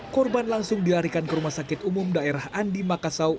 korban langsung dilarikan ke rumah sakit umum daerah andi makassau